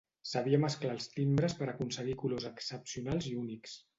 Sabia mesclar els timbres per aconseguir colors excepcionals i únics.